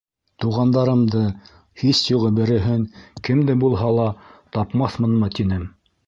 Туғандарымды, һис юғы береһен... кемде булһа ла тапмаҫмынмы тинем.